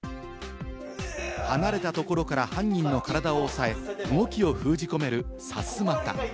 離れたところから犯人の体を押さえ、動きを封じ込める、さすまた。